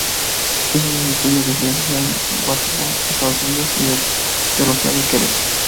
Hizo sus estudios de filosofía en Watertown, Estados Unidos, y de teología en Quebec.